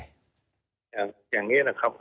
อย่างนี้นะครับ